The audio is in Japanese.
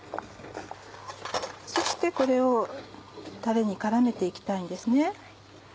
そしてこれをたれに絡めて行きたいんですね。